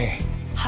はい。